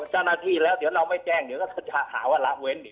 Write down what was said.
แท้อาทิวีแล้วเดี๋ยวเราไม่แจ้งเดี๋ยวก็เธอข่าวถาแล้วเล่น